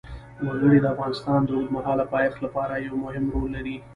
وګړي د افغانستان د اوږدمهاله پایښت لپاره یو مهم رول لري.